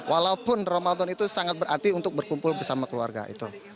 walaupun ramadan itu sangat berarti untuk berkumpul bersama keluarga itu